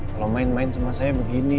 kalau main main sama saya begini